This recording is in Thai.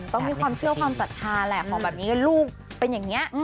ต้องมีความเชื่อความศรัทธาแหละของแบบนี้ก็ลูกเป็นอย่างนี้